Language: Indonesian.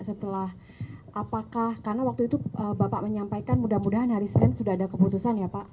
setelah apakah karena waktu itu bapak menyampaikan mudah mudahan hari senin sudah ada keputusan ya pak